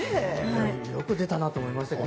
よく出たなと思いますよね。